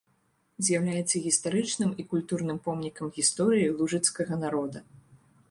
З'яўляецца гістарычным і культурным помнікам гісторыі лужыцкага народа.